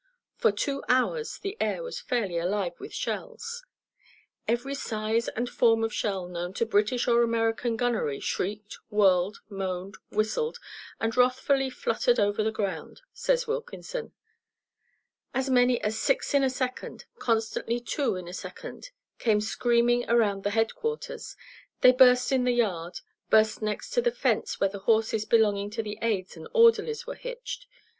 For two hours the air was fairly alive with shells. Every size and form of shell known to British or American gunnery shrieked, whirled, moaned, whistled and wrathfully fluttered over the ground, says Wilkinson. "As many as six in a second, constantly two in a second came screaming around the headquarters. They burst in the yard; burst next to the fence where the horses belonging to the aids and orderlies were hitched.